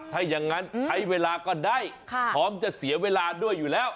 ถ้าอย่างนั้นใช้เวลาก็ได้พร้อมจะเสียเวลาด้วยอยู่แล้ว